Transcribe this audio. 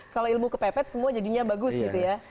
kalau ilmu kepepet semua jadinya bagus gitu ya